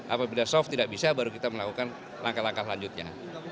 apabila soft tidak bisa baru kita melakukan langkah langkah lanjutnya